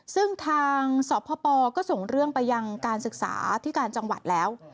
ซึ่งทางสพปก็ส่งเรื่องไปยังการศึกษาที่การจังหวัดแล้ว